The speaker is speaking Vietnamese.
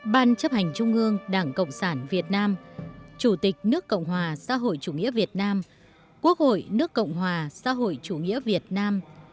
ban chấp hành trung ương đảng cộng sản việt nam chủ tịch nước cộng hòa xã hội chủ nghĩa việt nam quốc hội nước cộng hòa xã hội chủ nghĩa việt nam